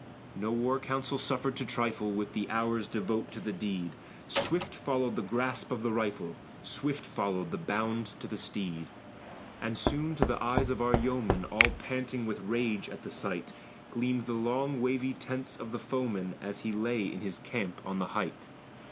No war council suffered to trifle With the hours devote to the deed; Swift followed the grasp of the rifle, Swift followed the bound to the steed; And soon, to the eyes of our yeomen, All panting with rage at the sight, Gleamed the long wavy tents of the foeman, As he lay in his camp on the height.